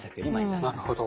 なるほど。